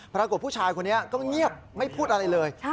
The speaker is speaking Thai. ปรากฏว่าผู้ชายคนนี้ก็เงียบไม่พูดอะไรเลย